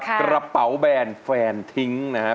กระเป๋าแบนแฟนทิ้งนะครับ